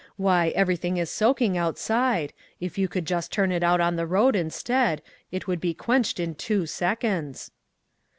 Why, everything is soaking outside; if you could just turn it out on the road, instead, it would be quenched in two seconds."